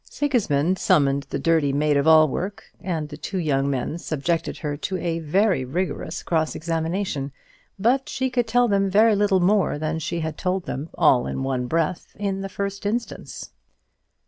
Sigismund summoned the dirty maid of all work, and the two young men subjected her to a very rigorous cross examination; but she could tell them very little more than she had told them all in one breath in the first instance.